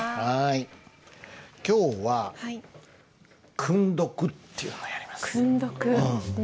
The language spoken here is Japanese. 今日は「訓読」っていうのをやります。